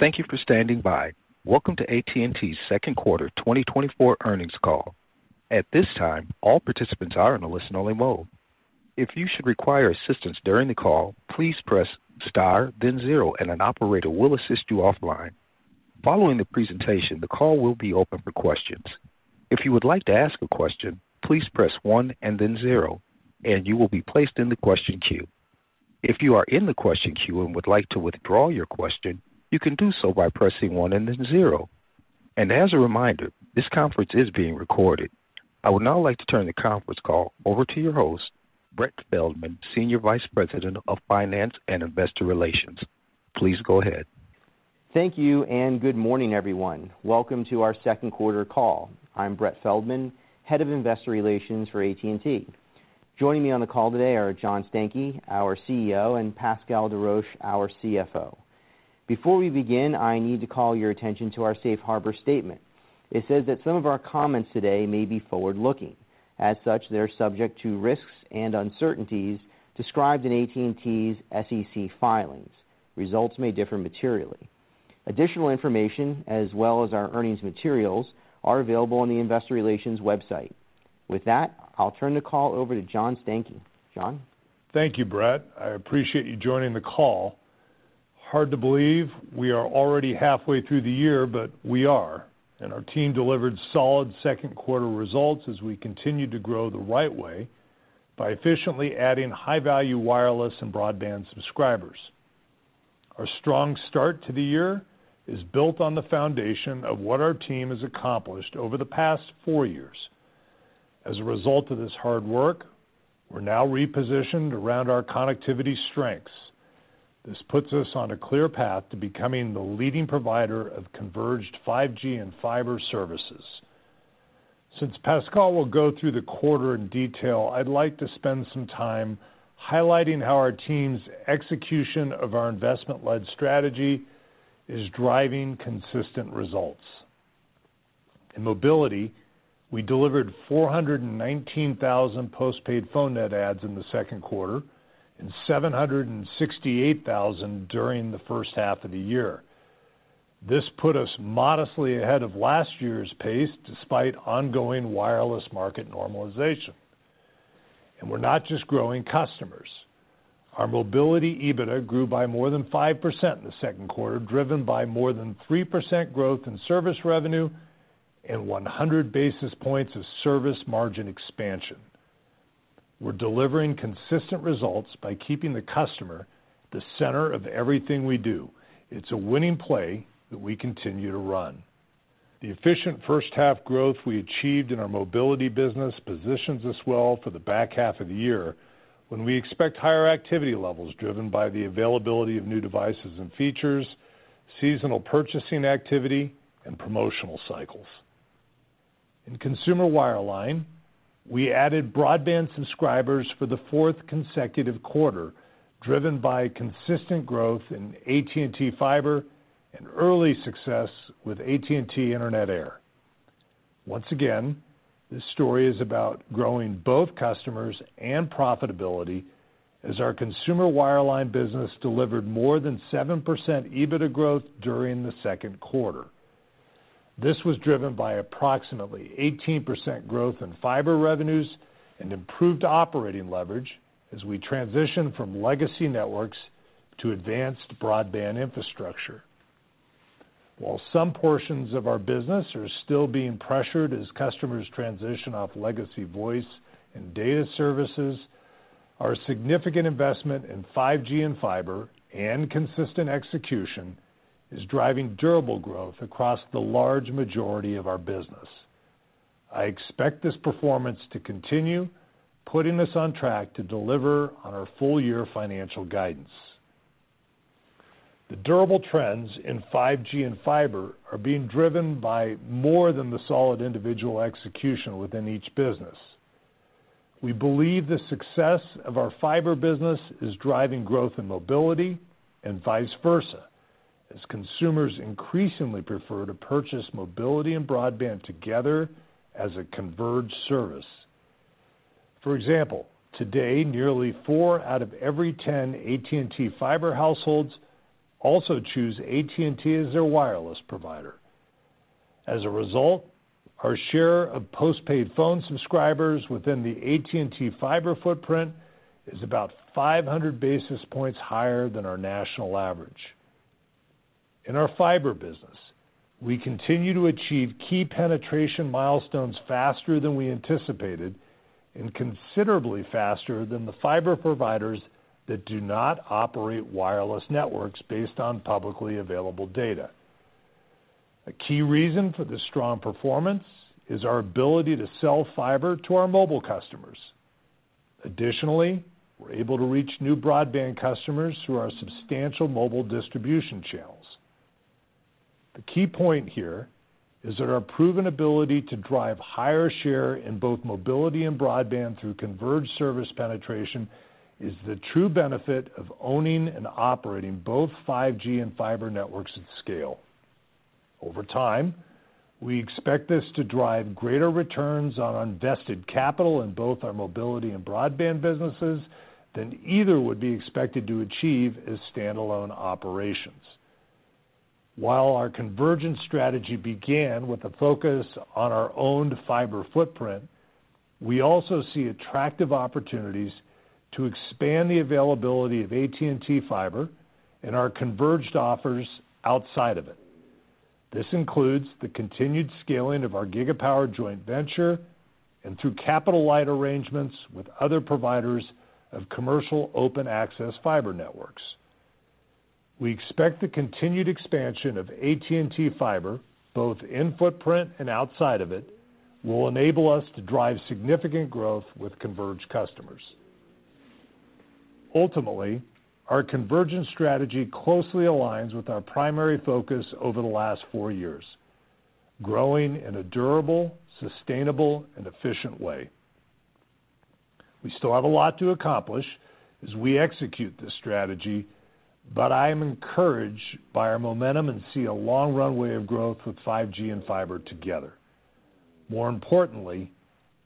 Thank you for standing by. Welcome to AT&T's second quarter 2024 earnings call. At this time, all participants are in a listen-only mode. If you should require assistance during the call, please press star, then zero, and an operator will assist you offline. Following the presentation, the call will be open for questions. If you would like to ask a question, please press one and then zero, and you will be placed in the question queue. If you are in the question queue and would like to withdraw your question, you can do so by pressing one and then zero. As a reminder, this conference is being recorded. I would now like to turn the conference call over to your host, Brett Feldman, Senior Vice President of Finance and Investor Relations. Please go ahead. Thank you, and good morning, everyone. Welcome to our second quarter call. I'm Brett Feldman, Head of Investor Relations for AT&T. Joining me on the call today are John Stankey, our CEO, and Pascal Desroches, our CFO. Before we begin, I need to call your attention to our Safe Harbor statement. It says that some of our comments today may be forward-looking. As such, they're subject to risks and uncertainties described in AT&T's SEC filings. Results may differ materially. Additional information, as well as our earnings materials, are available on the Investor Relations website. With that, I'll turn the call over to John Stankey. John? Thank you, Brett. I appreciate you joining the call. Hard to believe we are already halfway through the year, but we are, and our team delivered solid second quarter results as we continued to grow the right way by efficiently adding high-value wireless and broadband subscribers. Our strong start to the year is built on the foundation of what our team has accomplished over the past four years. As a result of this hard work, we're now repositioned around our connectivity strengths. This puts us on a clear path to becoming the leading provider of converged 5G and fiber services. Since Pascal will go through the quarter in detail, I'd like to spend some time highlighting how our team's execution of our investment-led strategy is driving consistent results. In mobility, we delivered 419,000 postpaid phone net adds in the second quarter and 768,000 during the first half of the year. This put us modestly ahead of last year's pace, despite ongoing wireless market normalization. And we're not just growing customers. Our mobility EBITDA grew by more than 5% in the second quarter, driven by more than 3% growth in service revenue and 100 basis points of service margin expansion. We're delivering consistent results by keeping the customer the center of everything we do. It's a winning play that we continue to run. The efficient first half growth we achieved in our mobility business positions us well for the back half of the year, when we expect higher activity levels, driven by the availability of new devices and features, seasonal purchasing activity, and promotional cycles. In consumer wireline, we added broadband subscribers for the fourth consecutive quarter, driven by consistent growth in AT&T Fiber and early success with AT&T Internet Air. Once again, this story is about growing both customers and profitability as our consumer wireline business delivered more than 7% EBITDA growth during the second quarter. This was driven by approximately 18% growth in fiber revenues and improved operating leverage as we transition from legacy networks to advanced broadband infrastructure. While some portions of our business are still being pressured as customers transition off legacy voice and data services, our significant investment in 5G and fiber and consistent execution is driving durable growth across the large majority of our business. I expect this performance to continue, putting us on track to deliver on our full-year financial guidance. The durable trends in 5G and fiber are being driven by more than the solid individual execution within each business. We believe the success of our fiber business is driving growth in mobility and vice versa, as consumers increasingly prefer to purchase mobility and broadband together as a converged service. For example, today, nearly four out of every ten AT&T Fiber households also choose AT&T as their wireless provider. As a result, our share of postpaid phone subscribers within the AT&T Fiber footprint is about 500 basis points higher than our national average. In our fiber business, we continue to achieve key penetration milestones faster than we anticipated and considerably faster than the fiber providers that do not operate wireless networks based on publicly available data. A key reason for this strong performance is our ability to sell fiber to our mobile customers. Additionally, we're able to reach new broadband customers through our substantial mobile distribution channels. The key point here is that our proven ability to drive higher share in both mobility and broadband through converged service penetration is the true benefit of owning and operating both 5G and fiber networks at scale. Over time, we expect this to drive greater returns on invested capital in both our mobility and broadband businesses than either would be expected to achieve as standalone operations. While our convergence strategy began with a focus on our owned fiber footprint, we also see attractive opportunities to expand the availability of AT&T Fiber and our converged offers outside of it. This includes the continued scaling of our Gigapower joint venture and through capital-light arrangements with other providers of commercial open access fiber networks. We expect the continued expansion of AT&T Fiber, both in footprint and outside of it, will enable us to drive significant growth with converged customers. Ultimately, our convergence strategy closely aligns with our primary focus over the last four years, growing in a durable, sustainable, and efficient way. We still have a lot to accomplish as we execute this strategy, but I am encouraged by our momentum and see a long runway of growth with 5G and fiber together. More importantly,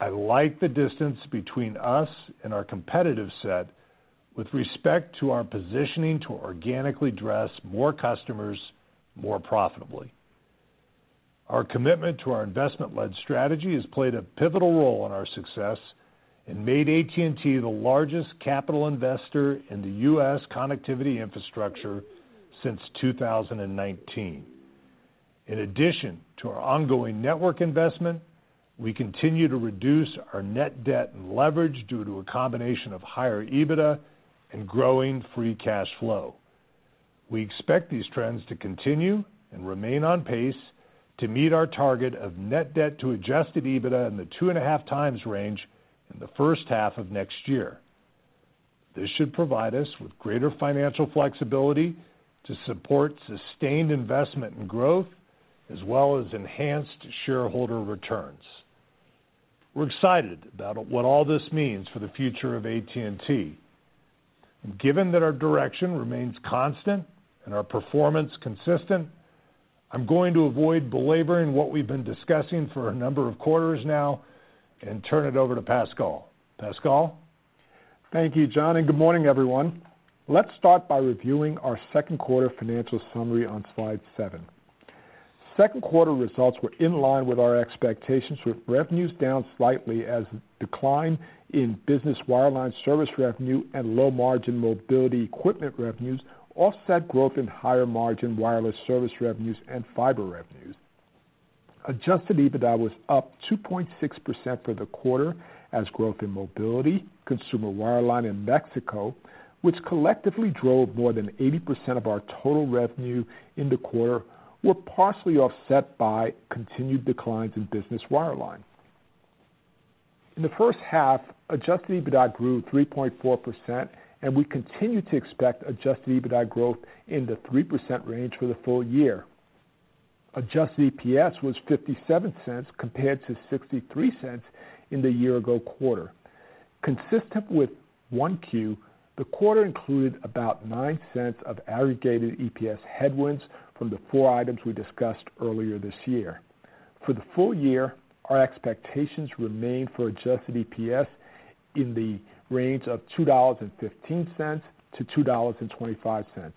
I like the distance between us and our competitive set with respect to our positioning to organically address more customers, more profitably. Our commitment to our investment-led strategy has played a pivotal role in our success and made AT&T the largest capital investor in the U.S. connectivity infrastructure since 2019. In addition to our ongoing network investment, we continue to reduce our net debt and leverage due to a combination of higher EBITDA and growing free cash flow. We expect these trends to continue and remain on pace to meet our target of net debt to Adjusted EBITDA in the 2.5x range in the first half of next year. This should provide us with greater financial flexibility to support sustained investment and growth, as well as enhanced shareholder returns. We're excited about what all this means for the future of AT&T. Given that our direction remains constant and our performance consistent, I'm going to avoid belaboring what we've been discussing for a number of quarters now and turn it over to Pascal. Pascal? Thank you, John, and good morning, everyone. Let's start by reviewing our second quarter financial summary on slide 7. Second quarter results were in line with our expectations, with revenues down slightly as decline in business wireline service revenue and low-margin mobility equipment revenues offset growth in higher-margin wireless service revenues and fiber revenues. Adjusted EBITDA was up 2.6% for the quarter, as growth in mobility, consumer wireline in Mexico, which collectively drove more than 80% of our total revenue in the quarter, were partially offset by continued declines in business wireline. In the first half, adjusted EBITDA grew 3.4%, and we continue to expect adjusted EBITDA growth in the 3% range for the full year. Adjusted EPS was $0.57, compared to $0.63 in the year-ago quarter. Consistent with 1Q, the quarter included about $0.09 of aggregated EPS headwinds from the four items we discussed earlier this year. For the full year, our expectations remain for adjusted EPS in the range of $2.15-$2.25.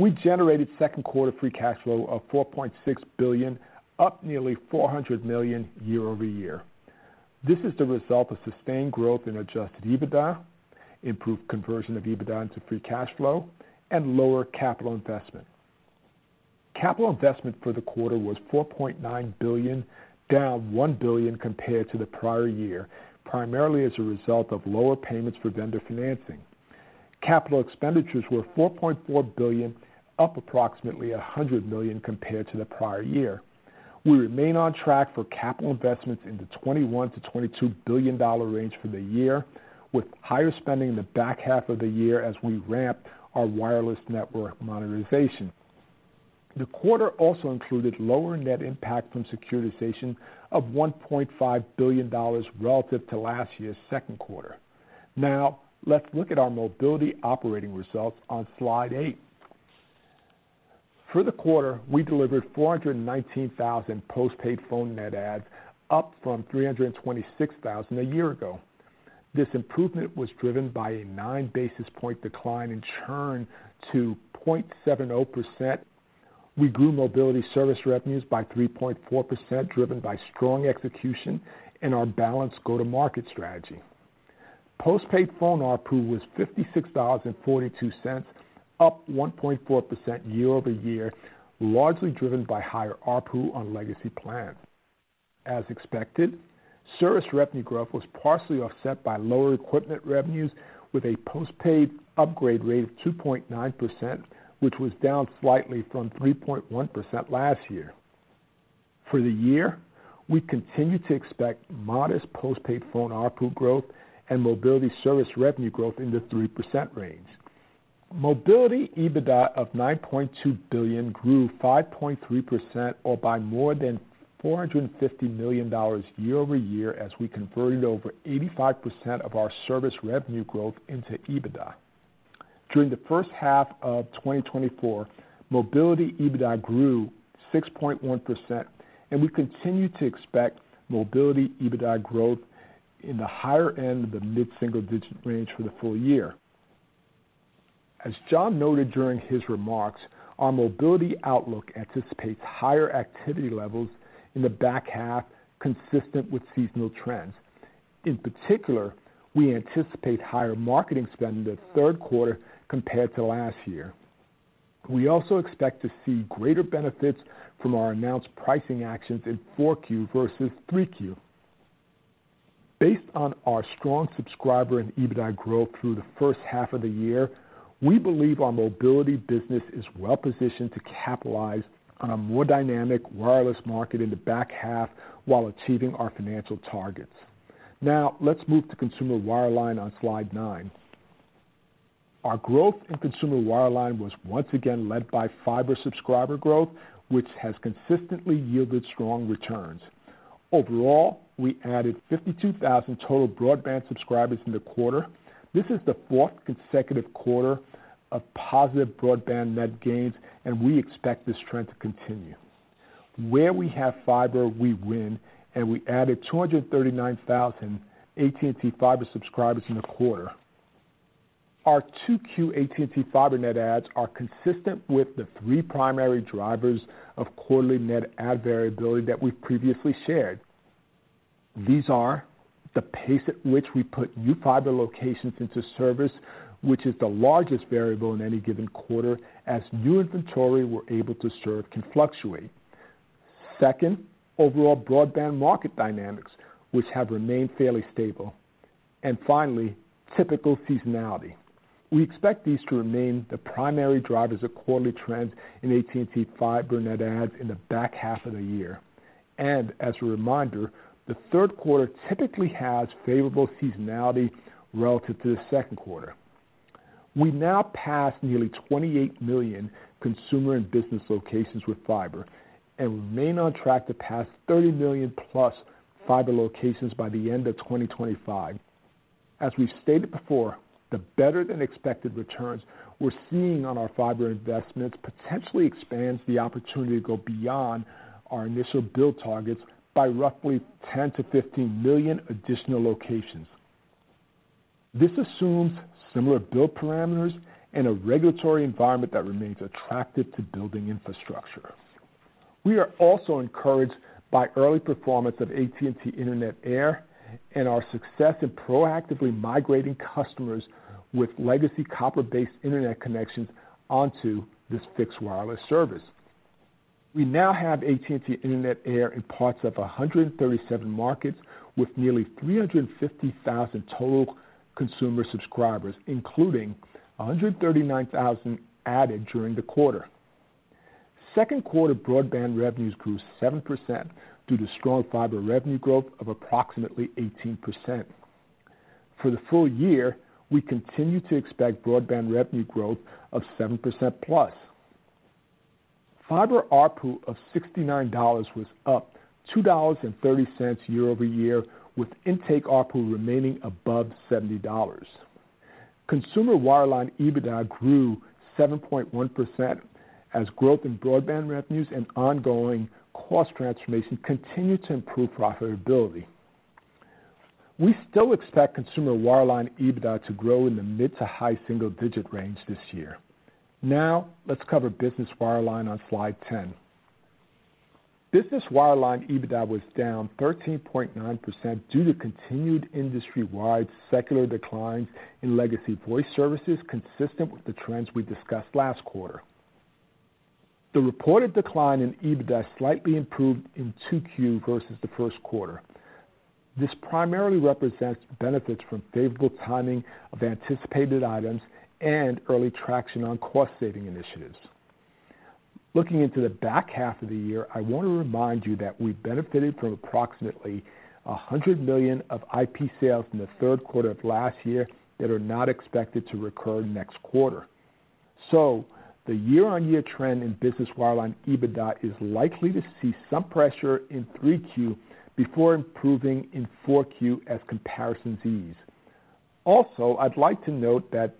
We generated second quarter free cash flow of $4.6 billion, up nearly $400 million year-over-year. This is the result of sustained growth in adjusted EBITDA, improved conversion of EBITDA into free cash flow, and lower capital investment. Capital investment for the quarter was $4.9 billion, down $1 billion compared to the prior year, primarily as a result of lower payments for vendor financing. Capital expenditures were $4.4 billion, up approximately $100 million compared to the prior year. We remain on track for capital investments in the $21 billion-$22 billion range for the year, with higher spending in the back half of the year as we ramp our wireless network monetization. The quarter also included lower net impact from securitization of $1.5 billion relative to last year's second quarter. Now, let's look at our mobility operating results on slide 8. For the quarter, we delivered 419,000 postpaid phone net adds, up from 326,000 a year ago. This improvement was driven by a 9 basis point decline in churn to 0.70%. We grew mobility service revenues by 3.4%, driven by strong execution and our balanced go-to-market strategy. Postpaid phone ARPU was $56.42, up 1.4% year-over-year, largely driven by higher ARPU on legacy plans. As expected, service revenue growth was partially offset by lower equipment revenues, with a postpaid upgrade rate of 2.9%, which was down slightly from 3.1% last year. For the year, we continue to expect modest postpaid phone ARPU growth and mobility service revenue growth in the 3% range. Mobility EBITDA of $9.2 billion grew 5.3% or by more than $450 million year-over-year, as we converted over 85% of our service revenue growth into EBITDA. During the first half of 2024, mobility EBITDA grew 6.1%, and we continue to expect mobility EBITDA growth in the higher end of the mid-single-digit range for the full year. As John noted during his remarks, our mobility outlook anticipates higher activity levels in the back half, consistent with seasonal trends. In particular, we anticipate higher marketing spend in the third quarter compared to last year. We also expect to see greater benefits from our announced pricing actions in 4Q versus 3Q. Based on our strong subscriber and EBITDA growth through the first half of the year, we believe our mobility business is well positioned to capitalize on a more dynamic wireless market in the back half while achieving our financial targets. Now, let's move to consumer wireline on slide 9. Our growth in consumer wireline was once again led by fiber subscriber growth, which has consistently yielded strong returns. Overall, we added 52,000 total broadband subscribers in the quarter. This is the fourth consecutive quarter of positive broadband net gains, and we expect this trend to continue. Where we have fiber, we win, and we added 239,000 AT&T Fiber subscribers in the quarter. Our 2Q AT&T Fiber net adds are consistent with the three primary drivers of quarterly net add variability that we've previously shared. These are: the pace at which we put new fiber locations into service, which is the largest variable in any given quarter, as new inventory we're able to serve can fluctuate. Second, overall broadband market dynamics, which have remained fairly stable, and finally, typical seasonality. We expect these to remain the primary drivers of quarterly trends in AT&T fiber net adds in the back half of the year, and as a reminder, the third quarter typically has favorable seasonality relative to the second quarter. We now pass nearly 28 million consumer and business locations with fiber and remain on track to pass 30 million-plus fiber locations by the end of 2025. As we've stated before, the better-than-expected returns we're seeing on our fiber investments potentially expands the opportunity to go beyond our initial build targets by roughly 10-15 million additional locations. This assumes similar build parameters and a regulatory environment that remains attractive to building infrastructure. We are also encouraged by early performance of AT&T Internet Air and our success in proactively migrating customers with legacy copper-based internet connections onto this fixed wireless service. We now have AT&T Internet Air in parts of 137 markets, with nearly 350,000 total consumer subscribers, including 139,000 added during the quarter. Second quarter broadband revenues grew 7% due to strong fiber revenue growth of approximately 18%. For the full year, we continue to expect broadband revenue growth of 7%+. Fiber ARPU of $69 was up $2.30 year-over-year, with intake ARPU remaining above $70. Consumer wireline EBITDA grew 7.1%, as growth in broadband revenues and ongoing cost transformation continued to improve profitability. We still expect consumer wireline EBITDA to grow in the mid- to high single-digit range this year. Now, let's cover business wireline on slide 10. Business wireline EBITDA was down 13.9% due to continued industry-wide secular declines in legacy voice services, consistent with the trends we discussed last quarter. The reported decline in EBITDA slightly improved in 2Q versus the first quarter. This primarily represents benefits from favorable timing of anticipated items and early traction on cost-saving initiatives. Looking into the back half of the year, I want to remind you that we benefited from approximately $100 million of IP sales in the third quarter of last year that are not expected to recur next quarter. So the year-on-year trend in business wireline EBITDA is likely to see some pressure in 3Q before improving in 4Q as comparisons ease. Also, I'd like to note that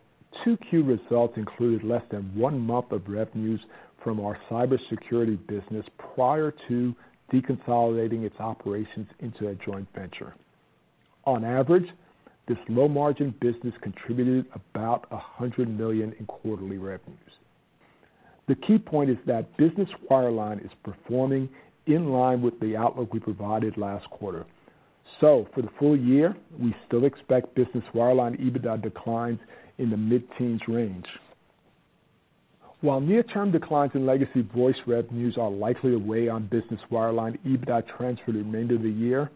2Q results included less than one month of revenues from our cybersecurity business prior to deconsolidating its operations into a joint venture. On average, this low-margin business contributed about $100 million in quarterly revenues. The key point is that business wireline is performing in line with the outlook we provided last quarter. So for the full year, we still expect business wireline EBITDA declines in the mid-teens range. While near-term declines in legacy voice revenues are likely to weigh on business wireline EBITDA trends for the remainder of the year,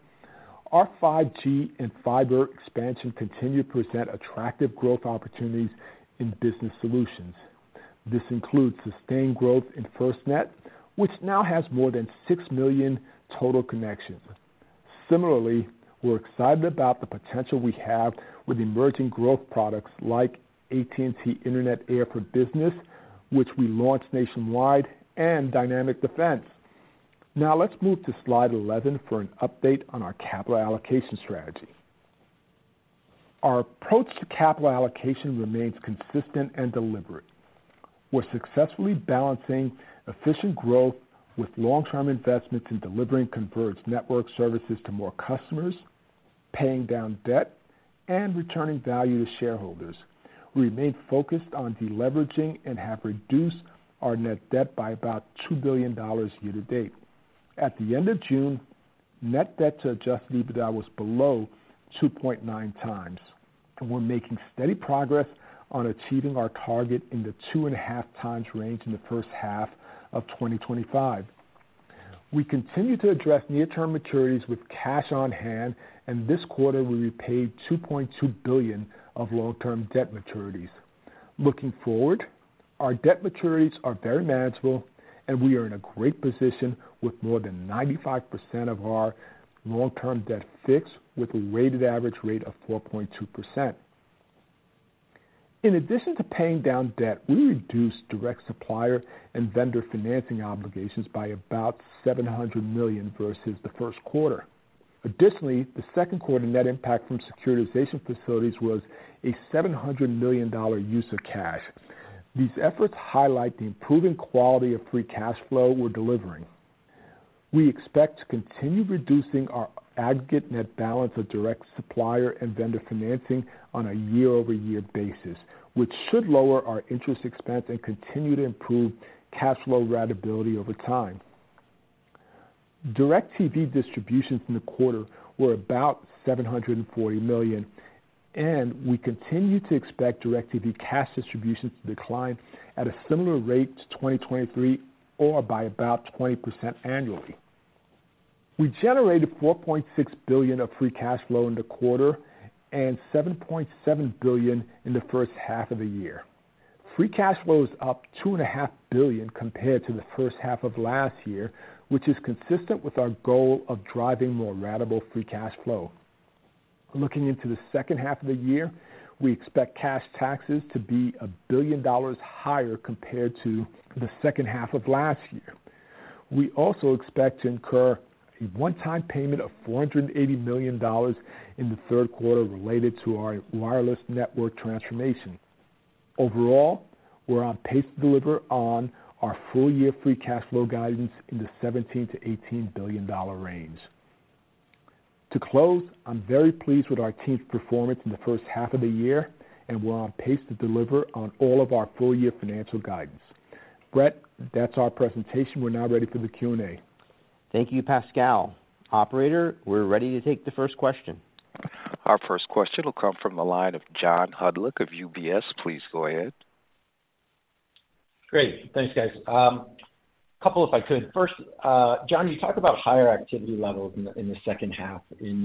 our 5G and fiber expansion continue to present attractive growth opportunities in business solutions. This includes sustained growth in FirstNet, which now has more than 6 million total connections. Similarly, we're excited about the potential we have with emerging growth products like AT&T Internet Air for Business, which we launched nationwide, and Dynamic Defense. Now let's move to slide 11 for an update on our capital allocation strategy. Our approach to capital allocation remains consistent and deliberate. We're successfully balancing efficient growth with long-term investments in delivering converged network services to more customers, paying down debt, and returning value to shareholders. We remain focused on deleveraging and have reduced our net debt by about $2 billion year to date. At the end of June, net debt to Adjusted EBITDA was below 2.9 times, and we're making steady progress on achieving our target in the 2.5 times range in the first half of 2025. We continue to address near-term maturities with cash on hand, and this quarter we repaid $2.2 billion of long-term debt maturities. Looking forward, our debt maturities are very manageable, and we are in a great position with more than 95% of our long-term debt fixed, with a weighted average rate of 4.2%. In addition to paying down debt, we reduced direct supplier and vendor financing obligations by about $700 million versus the first quarter. Additionally, the second quarter net impact from securitization facilities was a $700 million use of cash. These efforts highlight the improving quality of free cash flow we're delivering. We expect to continue reducing our aggregate net balance of direct supplier and vendor financing on a year-over-year basis, which should lower our interest expense and continue to improve cash flow ratability over time. DirecTV distributions in the quarter were about $740 million, and we continue to expect DirecTV cash distributions to decline at a similar rate to 2023 or by about 20% annually. We generated $4.6 billion of free cash flow in the quarter and $7.7 billion in the first half of the year. Free cash flow is up $2.5 billion compared to the first half of last year, which is consistent with our goal of driving more ratable free cash flow. Looking into the second half of the year, we expect cash taxes to be $1 billion higher compared to the second half of last year. We also expect to incur a one-time payment of $480 million in the third quarter related to our wireless network transformation. Overall, we're on pace to deliver on our full year free cash flow guidance in the $17 billion-$18 billion range. To close, I'm very pleased with our team's performance in the first half of the year, and we're on pace to deliver on all of our full-year financial guidance. Brett, that's our presentation. We're now ready for the Q&A. Thank you, Pascal. Operator, we're ready to take the first question. Our first question will come from the line of John Hodulik of UBS. Please go ahead. Great. Thanks, guys. A couple, if I could. First, John, you talk about higher activity levels in the second half in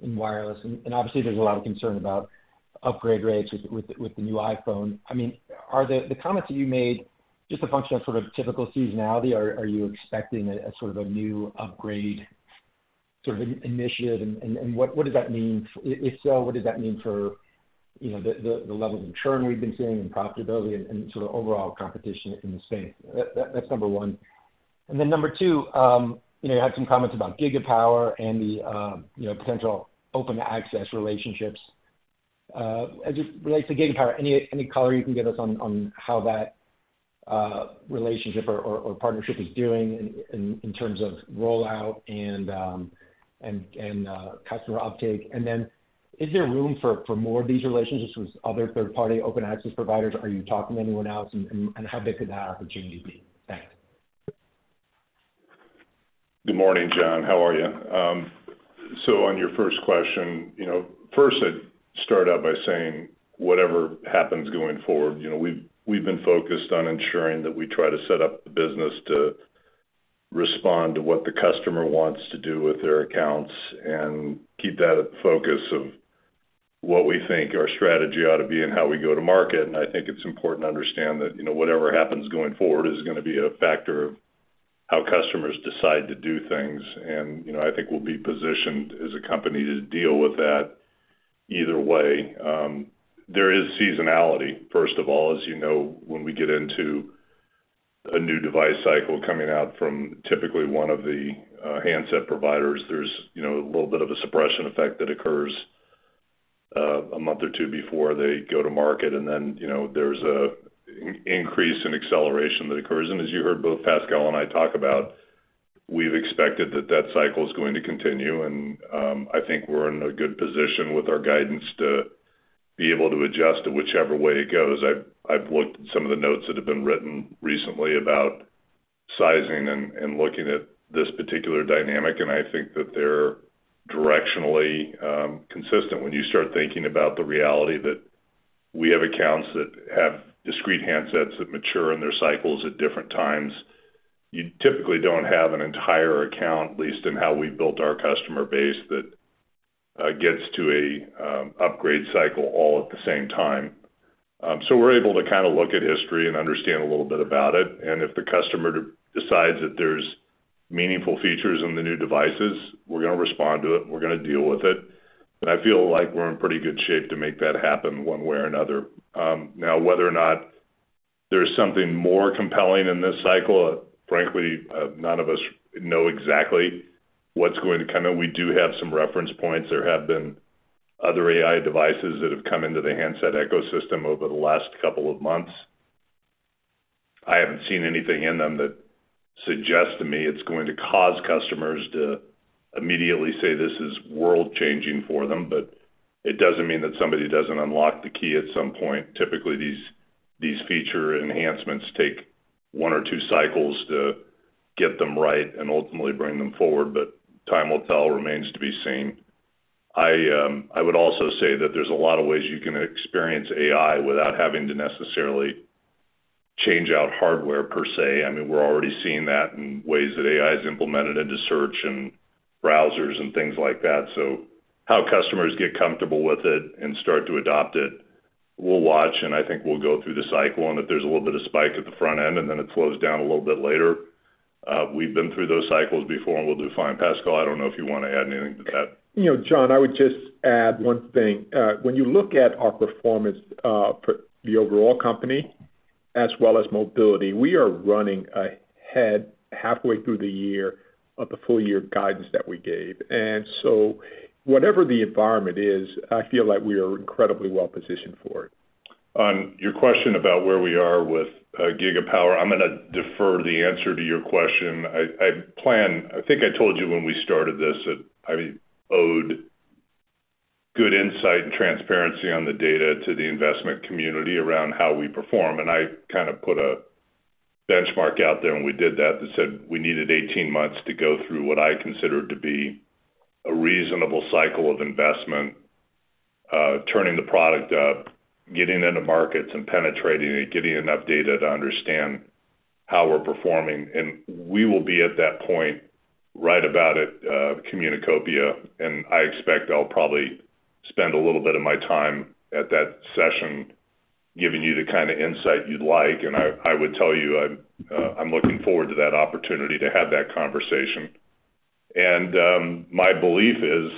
wireless, and obviously there's a lot of concern about upgrade rates with the new iPhone. I mean, are the comments that you made just a function of sort of typical seasonality, or are you expecting a sort of a new upgrade sort of initiative? And what does that mean? If so, what does that mean for, you know, the levels of churn we've been seeing and profitability and sort of overall competition in the space? That's number one. And then number two, you know, you had some comments about Gigapower and the, you know, potential open access relationships. As it relates to Gigapower, any color you can give us on how that relationship or partnership is doing in terms of rollout and customer uptake? And then is there room for more of these relationships with other third-party open access providers? Are you talking to anyone else, and how big could that opportunity be? Thanks. Good morning, John. How are you? So on your first question, you know, first I'd start out by saying whatever happens going forward, you know, we've been focused on ensuring that we try to set up the business to respond to what the customer wants to do with their accounts and keep that a focus of what we think our strategy ought to be and how we go to market. And I think it's important to understand that, you know, whatever happens going forward is gonna be a factor of how customers decide to do things. And, you know, I think we'll be positioned as a company to deal with that either way. There is seasonality, first of all. As you know, when we get into a new device cycle coming out from typically one of the handset providers, there's, you know, a little bit of a suppression effect that occurs a month or two before they go to market, and then, you know, there's an increase in acceleration that occurs. And as you heard both Pascal and I talk about, we've expected that that cycle is going to continue, and I think we're in a good position with our guidance to be able to adjust to whichever way it goes. I've looked at some of the notes that have been written recently about sizing and looking at this particular dynamic, and I think that they're directionally consistent. When you start thinking about the reality that we have accounts that have discrete handsets that mature in their cycles at different times, you typically don't have an entire account, at least in how we've built our customer base, that gets to a upgrade cycle all at the same time. So we're able to kind of look at history and understand a little bit about it, and if the customer decides that there's meaningful features in the new devices, we're gonna respond to it, and we're gonna deal with it. But I feel like we're in pretty good shape to make that happen one way or another. Now, whether or not there's something more compelling in this cycle, frankly, none of us know exactly what's going to come in. We do have some reference points. There have been other AI devices that have come into the handset ecosystem over the last couple of months. I haven't seen anything in them that suggests to me it's going to cause customers to immediately say this is world-changing for them, but it doesn't mean that somebody doesn't unlock the key at some point. Typically, these feature enhancements take one or two cycles to get them right and ultimately bring them forward, but time will tell. Remains to be seen. I would also say that there's a lot of ways you can experience AI without having to necessarily change out hardware per se. I mean, we're already seeing that in ways that AI is implemented into search and browsers and things like that. So how customers get comfortable with it and start to adopt it, we'll watch, and I think we'll go through the cycle, and that there's a little bit of spike at the front end, and then it flows down a little bit later. We've been through those cycles before, and we'll do fine. Pascal, I don't know if you want to add anything to that? You know, John, I would just add one thing. When you look at our performance for the overall company as well as mobility, we are running ahead halfway through the year of the full year guidance that we gave. And so whatever the environment is, I feel like we are incredibly well-positioned for it. On your question about where we are with Gigapower, I'm gonna defer the answer to your question. I plan—I think I told you when we started this, that I owed good insight and transparency on the data to the investment community around how we perform, and I kind of put a benchmark out there when we did that, that said we needed 18 months to go through what I considered to be a reasonable cycle of investment, turning the product up, getting into markets and penetrating it, getting enough data to understand how we're performing. We will be at that point right about at Communicopia, and I expect I'll probably spend a little bit of my time at that session, giving you the kind of insight you'd like. And I would tell you, I'm looking forward to that opportunity to have that conversation. And my belief is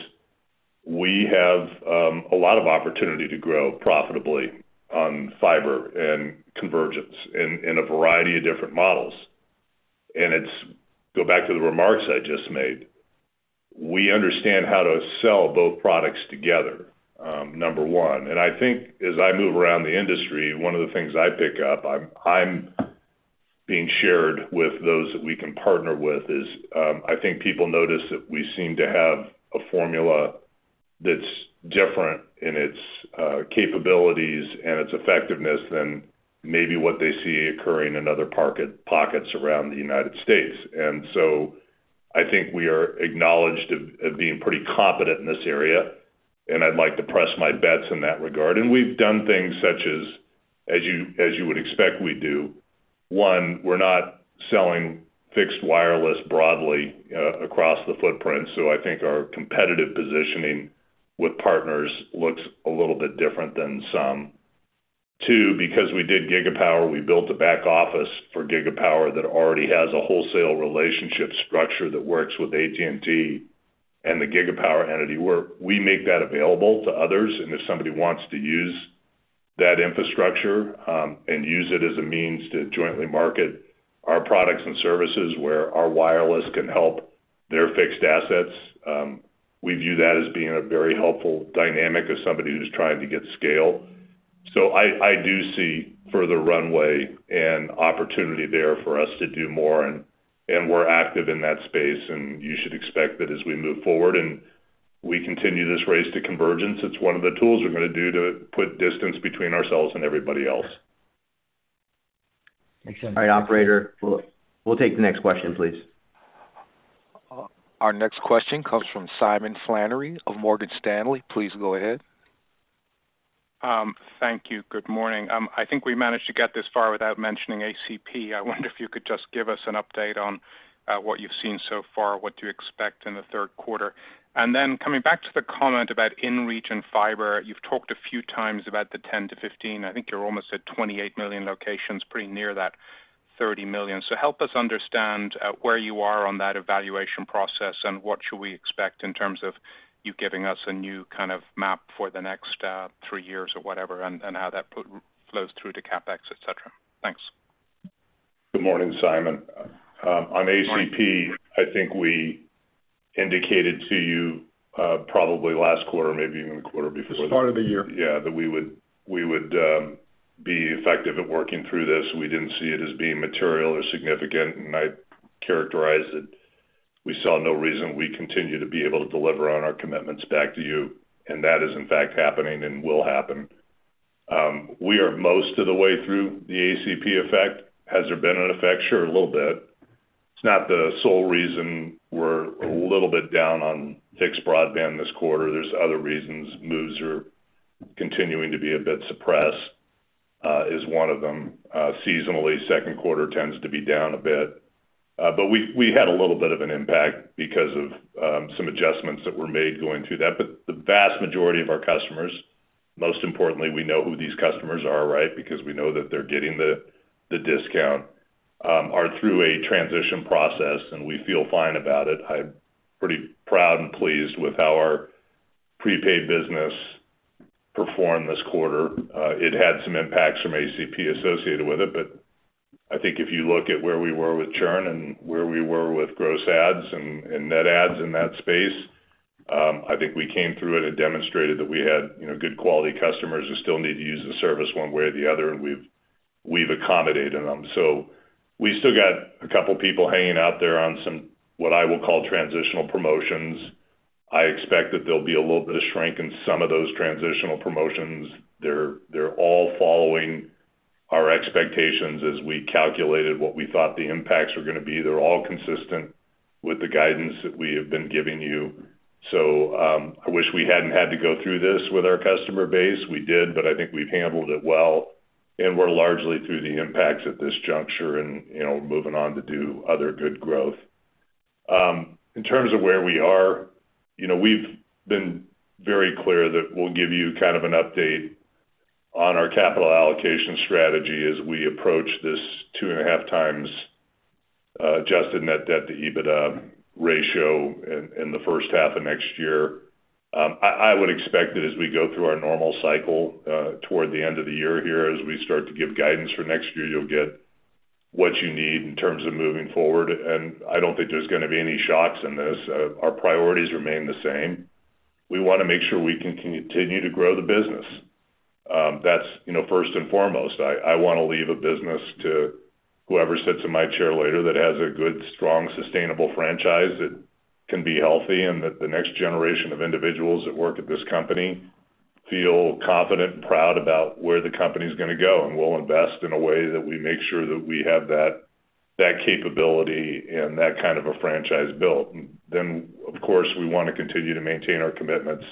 we have a lot of opportunity to grow profitably on fiber and convergence in a variety of different models. And it's—go back to the remarks I just made. We understand how to sell both products together, number one. And I think as I move around the industry, one of the things I pick up, being shared with those that we can partner with, is I think people notice that we seem to have a formula that's different in its capabilities and its effectiveness than maybe what they see occurring in other pockets around the United States. So I think we are acknowledged as being pretty competent in this area, and I'd like to place my bets in that regard. We've done things such as you would expect we'd do. One, we're not selling fixed wireless broadly across the footprint, so I think our competitive positioning with partners looks a little bit different than some. Two, because we did Gigapower, we built a back office for Gigapower that already has a wholesale relationship structure that works with AT&T and the Gigapower entity, where we make that available to others. And if somebody wants to use that infrastructure and use it as a means to jointly market our products and services, where our wireless can help their fixed assets, we view that as being a very helpful dynamic for somebody who's trying to get scale. So I do see further runway and opportunity there for us to do more, and we're active in that space, and you should expect that as we move forward and we continue this race to convergence; it's one of the tools we're gonna do to put distance between ourselves and everybody else. Makes sense. All right, Operator, we'll, we'll take the next question, please. Our next question comes from Simon Flannery of Morgan Stanley. Please go ahead. Thank you. Good morning. I think we managed to get this far without mentioning ACP. I wonder if you could just give us an update on, what you've seen so far, what do you expect in the third quarter? And then coming back to the comment about in-region fiber, you've talked a few times about the 10-15. I think you're almost at 28 million locations, pretty near that 30 million. So help us understand, where you are on that evaluation process, and what should we expect in terms of you giving us a new kind of map for the next, 3 years or whatever, and how that flows through to CapEx, et cetera? Thanks. Good morning, Simon. On ACP- Good morning. I think we indicated to you, probably last quarter, maybe even the quarter before. This part of the year. Yeah, that we would be effective at working through this. We didn't see it as being material or significant, and I'd characterize that we saw no reason we continue to be able to deliver on our commitments back to you, and that is in fact happening and will happen. We are most of the way through the ACP effect. Has there been an effect? Sure, a little bit. It's not the sole reason we're a little bit down on fixed broadband this quarter. There's other reasons. Moves are continuing to be a bit suppressed, is one of them. Seasonally, second quarter tends to be down a bit. But we had a little bit of an impact because of some adjustments that were made going through that. But the vast majority of our customers, most importantly, we know who these customers are, right? Because we know that they're getting the discount are through a transition process, and we feel fine about it. I'm pretty proud and pleased with how our prepaid business performed this quarter. It had some impacts from ACP associated with it, but I think if you look at where we were with churn and where we were with gross adds and net adds in that space, I think we came through it and demonstrated that we had, you know, good quality customers who still need to use the service one way or the other, and we've accommodated them. So we still got a couple people hanging out there on some, what I will call transitional promotions. I expect that there'll be a little bit of shrink in some of those transitional promotions. They're all following our expectations as we calculated what we thought the impacts were going to be. They're all consistent with the guidance that we have been giving you. So, I wish we hadn't had to go through this with our customer base. We did, but I think we've handled it well, and we're largely through the impacts at this juncture and, you know, moving on to do other good growth. In terms of where we are, you know, we've been very clear that we'll give you kind of an update on our capital allocation strategy as we approach this 2.5 times adjusted net debt to Adjusted EBITDA ratio in the first half of next year. I would expect that as we go through our normal cycle, toward the end of the year here, as we start to give guidance for next year, you'll get what you need in terms of moving forward, and I don't think there's gonna be any shocks in this. Our priorities remain the same. We want to make sure we can continue to grow the business. That's, you know, first and foremost, I want to leave a business to whoever sits in my chair later that has a good, strong, sustainable franchise that can be healthy, and that the next generation of individuals that work at this company feel confident and proud about where the company's gonna go, and we'll invest in a way that we make sure that we have that capability and that kind of a franchise built. Then, of course, we want to continue to maintain our commitments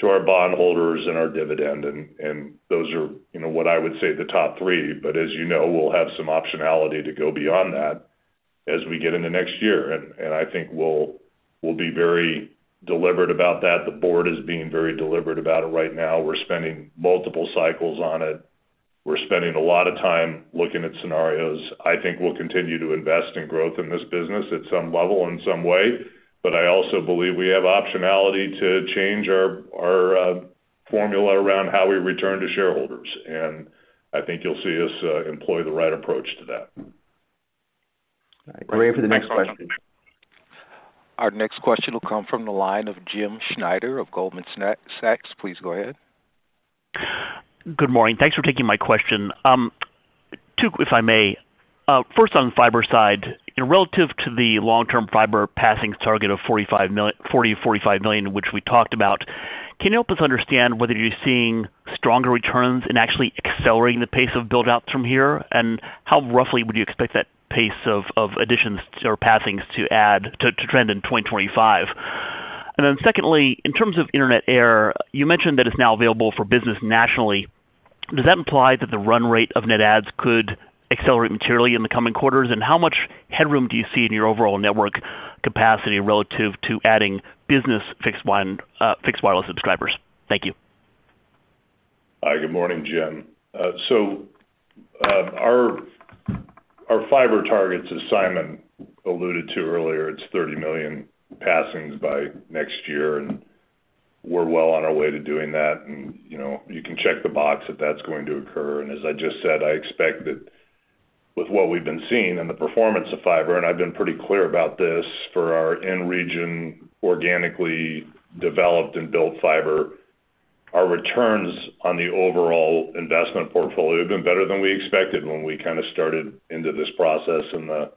to our bondholders and our dividend, and those are, you know, what I would say, the top three. But as you know, we'll have some optionality to go beyond that as we get into next year. And I think we'll be very deliberate about that. The board is being very deliberate about it right now. We're spending multiple cycles on it. We're spending a lot of time looking at scenarios. I think we'll continue to invest in growth in this business at some level, in some way, but I also believe we have optionality to change our formula around how we return to shareholders, and I think you'll see us employ the right approach to that. Great. For the next question- Our next question will come from the line of Jim Schneider of Goldman Sachs. Please go ahead. Good morning. Thanks for taking my question. Two, if I may. First, on the fiber side, relative to the long-term fiber passing target of 45 million, 40-45 million, which we talked about, can you help us understand whether you're seeing stronger returns and actually accelerating the pace of build out from here? And how roughly would you expect that pace of additions or passings to trend in 2025? And then secondly, in terms of Internet Air, you mentioned that it's now available for business nationally. Does that imply that the run rate of net adds could accelerate materially in the coming quarters? And how much headroom do you see in your overall network capacity relative to adding business fixed line, fixed wireless subscribers? Thank you. Hi, good morning, Jim. So, our fiber targets, as Simon alluded to earlier, it's 30 million passings by next year, and we're well on our way to doing that. And, you know, you can check the box if that's going to occur. And as I just said, I expect that with what we've been seeing and the performance of fiber, and I've been pretty clear about this for our in region, organically developed and built fiber, our returns on the overall investment portfolio have been better than we expected when we kind of started into this process in the,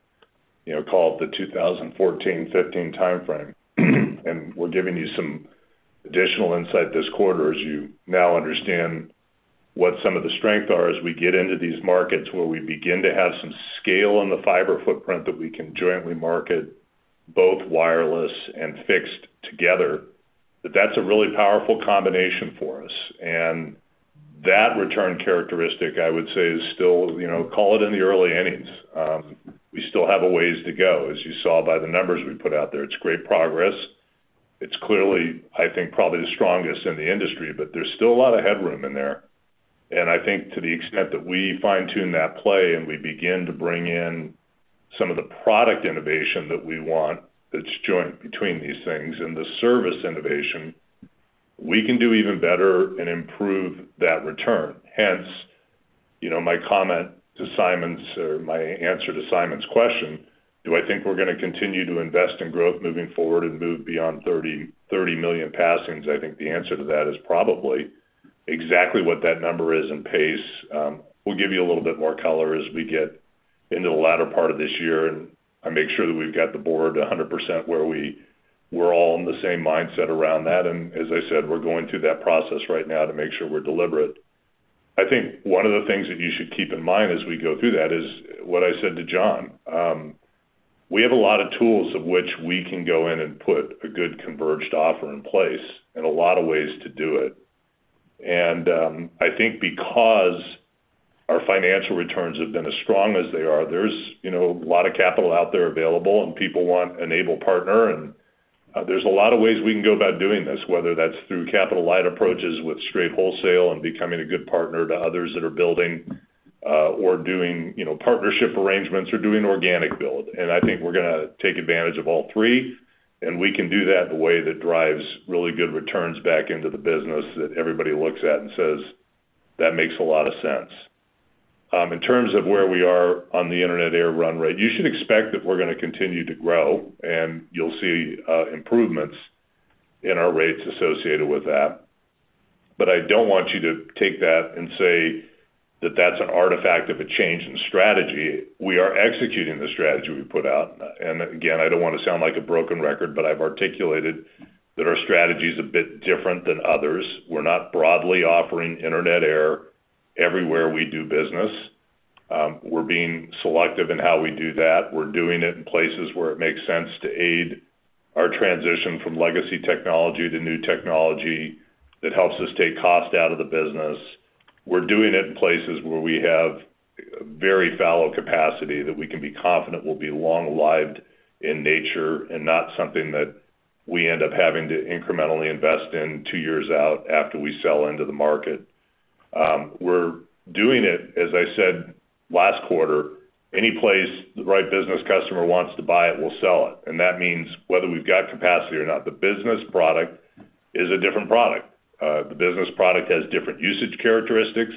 you know, call it the 2014-2015 timeframe. We're giving you some additional insight this quarter, as you now understand what some of the strengths are as we get into these markets, where we begin to have some scale in the fiber footprint that we can jointly market, both wireless and fixed together. But that's a really powerful combination for us. And that return characteristic, I would say, is still, you know, call it in the early innings. We still have a ways to go, as you saw by the numbers we put out there. It's great progress. It's clearly, I think, probably the strongest in the industry, but there's still a lot of headroom in there. I think to the extent that we fine-tune that play, and we begin to bring in some of the product innovation that we want, that's joint between these things and the service innovation, we can do even better and improve that return. Hence, you know, my comment to Simon's or my answer to Simon's question, do I think we're gonna continue to invest in growth moving forward and move beyond 30, 30 million passings? I think the answer to that is probably. Exactly what that number is in pace, we'll give you a little bit more color as we get into the latter part of this year, and I make sure that we've got the board 100% where we're all in the same mindset around that. As I said, we're going through that process right now to make sure we're deliberate. I think one of the things that you should keep in mind as we go through that is what I said to John. We have a lot of tools of which we can go in and put a good converged offer in place and a lot of ways to do it. I think because our financial returns have been as strong as they are, there's, you know, a lot of capital out there available, and people want an able partner, and there's a lot of ways we can go about doing this, whether that's through capital-light approaches with straight wholesale and becoming a good partner to others that are building, or doing, you know, partnership arrangements or doing organic build. I think we're gonna take advantage of all three, and we can do that in a way that drives really good returns back into the business that everybody looks at and says, "That makes a lot of sense." In terms of where we are on the Internet Air run rate, you should expect that we're gonna continue to grow, and you'll see improvements in our rates associated with that. But I don't want you to take that and say that that's an artifact of a change in strategy. We are executing the strategy we put out. And again, I don't want to sound like a broken record, but I've articulated that our strategy is a bit different than others. We're not broadly offering Internet Air everywhere we do business. We're being selective in how we do that. We're doing it in places where it makes sense to aid our transition from legacy technology to new technology that helps us take cost out of the business. We're doing it in places where we have very fallow capacity that we can be confident will be long-lived in nature and not something that we end up having to incrementally invest in two years out after we sell into the market. We're doing it, as I said last quarter, any place the right business customer wants to buy it, we'll sell it. And that means whether we've got capacity or not, the business product is a different product. The business product has different usage characteristics,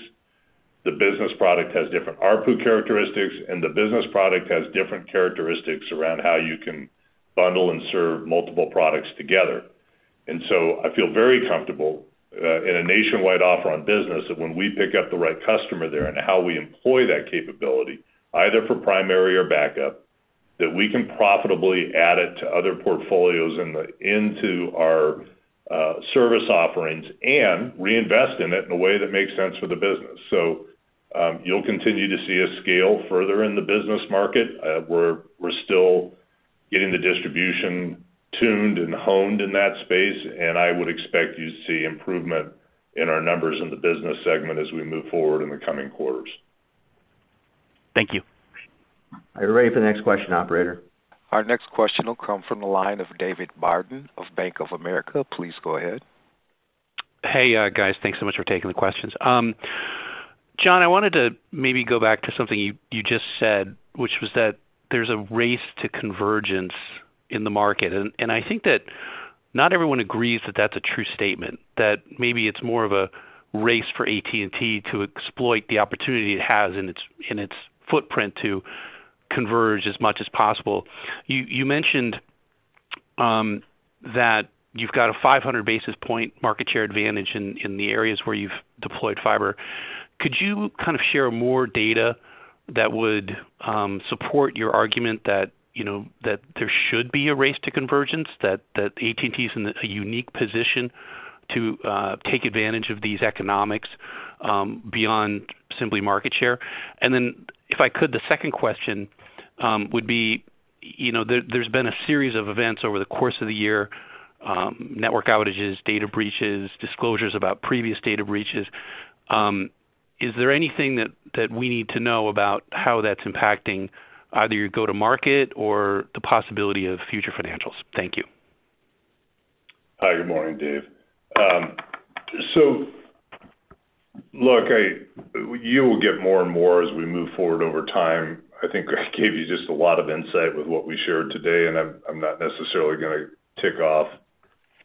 the business product has different ARPU characteristics, and the business product has different characteristics around how you can bundle and serve multiple products together. And so I feel very comfortable in a nationwide offer on business, that when we pick up the right customer there and how we employ that capability, either for primary or backup, that we can profitably add it to other portfolios into our service offerings and reinvest in it in a way that makes sense for the business. So, you'll continue to see us scale further in the business market. We're still getting the distribution tuned and honed in that space, and I would expect you to see improvement in our numbers in the business segment as we move forward in the coming quarters. Thank you. Are you ready for the next question, operator? Our next question will come from the line of David Barden of Bank of America. Please go ahead. Hey, guys, thanks so much for taking the questions. John, I wanted to maybe go back to something you just said, which was that there's a race to convergence in the market, and I think that not everyone agrees that that's a true statement, that maybe it's more of a race for AT&T to exploit the opportunity it has in its footprint to converge as much as possible. You mentioned that you've got a 500 basis point market share advantage in the areas where you've deployed fiber. Could you kind of share more data that would support your argument that, you know, that there should be a race to convergence, that AT&T is in a unique position to take advantage of these economics beyond simply market share? Then, if I could, the second question would be, you know, there's been a series of events over the course of the year, network outages, data breaches, disclosures about previous data breaches. Is there anything that we need to know about how that's impacting either your go-to-market or the possibility of future financials? Thank you. Hi, good morning, Dave. So look. You will get more and more as we move forward over time. I think I gave you just a lot of insight with what we shared today, and I'm not necessarily gonna tick off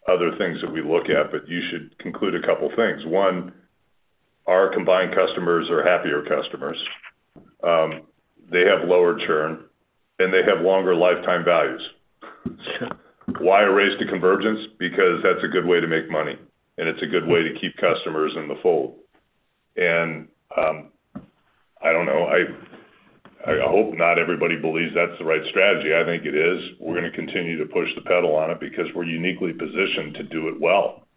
other things that we look at, but you should conclude a couple of things. One, our combined customers are happier customers, they have lower churn, and they have longer lifetime values. So why a race to convergence? Because that's a good way to make money, and it's a good way to keep customers in the fold. And, I don't know, I hope not everybody believes that's the right strategy. I think it is. We're gonna continue to push the pedal on it because we're uniquely positioned to do it well,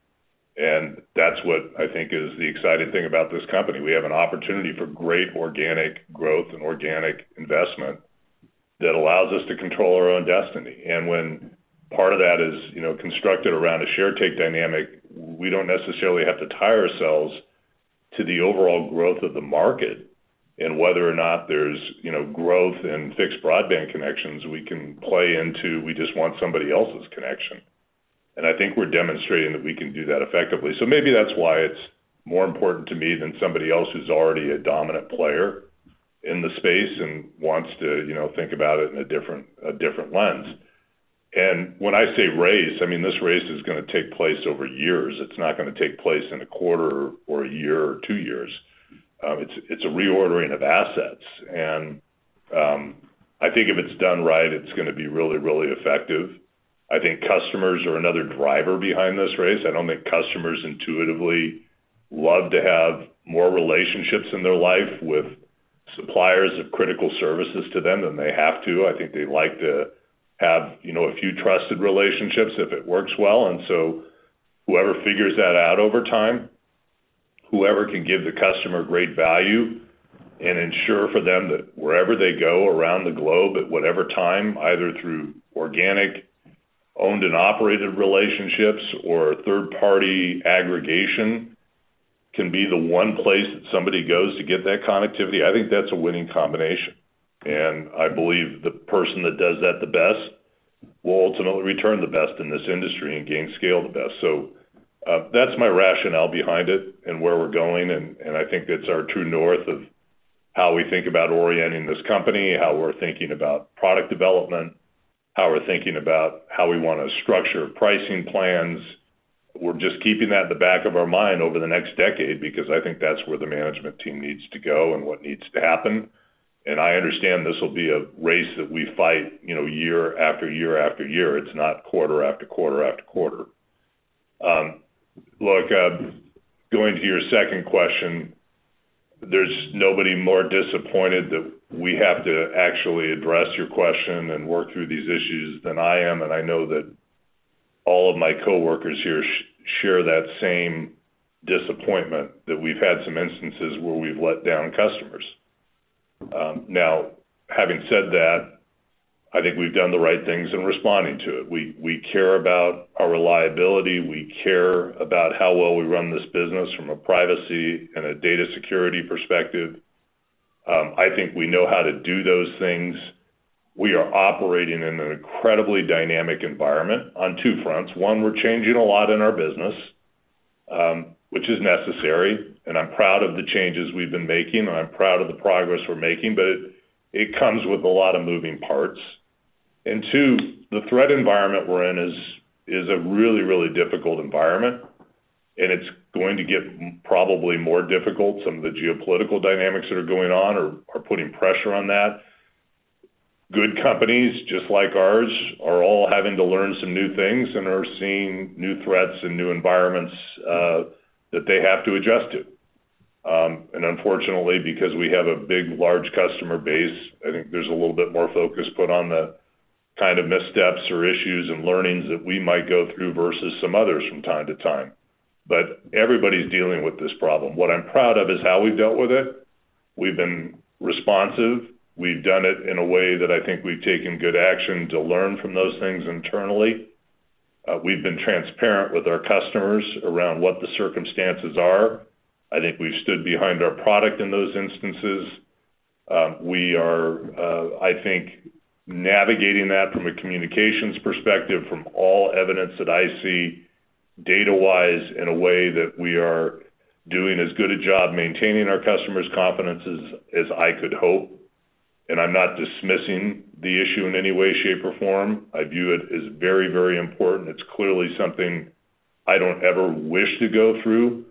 and that's what I think is the exciting thing about this company. We have an opportunity for great organic growth and organic investment that allows us to control our own destiny. And when part of that is, you know, constructed around a share take dynamic, we don't necessarily have to tie ourselves to the overall growth of the market. And whether or not there's, you know, growth in fixed broadband connections, we can play into. We just want somebody else's connection. And I think we're demonstrating that we can do that effectively. So maybe that's why it's more important to me than somebody else who's already a dominant player in the space and wants to, you know, think about it in a different lens. And when I say race, I mean, this race is gonna take place over years. It's not gonna take place in a quarter or a year or two years. It's a reordering of assets. I think if it's done right, it's gonna be really, really effective. I think customers are another driver behind this race. I don't think customers intuitively love to have more relationships in their life with suppliers of critical services to them than they have to. I think they like to have, you know, a few trusted relationships if it works well. And so whoever figures that out over time, whoever can give the customer great value and ensure for them that wherever they go around the globe, at whatever time, either through organic, owned and operated relationships or third-party aggregation can be the one place that somebody goes to get that connectivity, I think that's a winning combination. And I believe the person that does that the best will ultimately return the best in this industry and gain scale the best. So, that's my rationale behind it and where we're going, and, and I think that's our true north of how we think about orienting this company, how we're thinking about product development, how we're thinking about how we wanna structure pricing plans. We're just keeping that at the back of our mind over the next decade because I think that's where the management team needs to go and what needs to happen. And I understand this will be a race that we fight, you know, year after year after year. It's not quarter after quarter after quarter. Going to your second question, there's nobody more disappointed that we have to actually address your question and work through these issues than I am, and I know that all of my coworkers here share that same disappointment that we've had some instances where we've let down customers. Now, having said that, I think we've done the right things in responding to it. We care about our reliability. We care about how well we run this business from a privacy and a data security perspective. I think we know how to do those things. We are operating in an incredibly dynamic environment on two fronts. One, we're changing a lot in our business, which is necessary, and I'm proud of the changes we've been making, and I'm proud of the progress we're making, but it comes with a lot of moving parts. Two, the threat environment we're in is a really, really difficult environment, and it's going to get probably more difficult. Some of the geopolitical dynamics that are going on are putting pressure on that. Good companies, just like ours, are all having to learn some new things and are seeing new threats and new environments that they have to adjust to. Unfortunately, because we have a big, large customer base, I think there's a little bit more focus put on the kind of missteps or issues and learnings that we might go through versus some others from time to time. But everybody's dealing with this problem. What I'm proud of is how we've dealt with it. We've been responsive. We've done it in a way that I think we've taken good action to learn from those things internally. We've been transparent with our customers around what the circumstances are. I think we've stood behind our product in those instances. We are, I think, navigating that from a communications perspective, from all evidence that I see data-wise, in a way that we are doing as good a job maintaining our customers' confidence as, as I could hope. And I'm not dismissing the issue in any way, shape, or form. I view it as very, very important. It's clearly something I don't ever wish to go through,